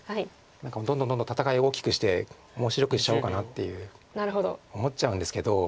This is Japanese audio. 何かもうどんどんどんどん戦いを大きくして面白くしちゃおうかなっていう思っちゃうんですけど。